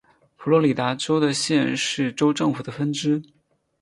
佛罗里达州的县是州政府的分支。